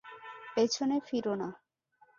পেছনে ফিরো না।